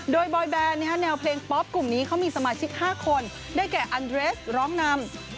โดยบอยแบนแนวเพลงป๊อปกลุ่มนี้เขามีสมาชิก๕คนได้แก่อันเรสร้องนำ